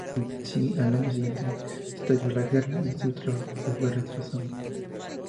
Al año siguiente estalló la guerra y su trabajo se fue retrasando.